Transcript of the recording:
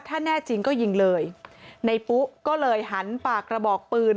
ถ้าแน่จริงก็ยิงเลยในปุ๊ก็เลยหันปากกระบอกปืน